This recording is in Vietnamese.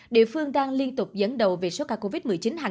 địa phương đang liên tục dẫn đầu về số ca covid một mươi chín hàng